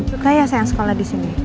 suka ya sayang sekolah disini